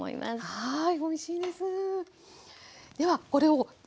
はい。